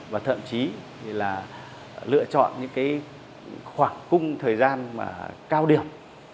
và thậm chí là lựa chọn những khoảng cung thời gian cao điểm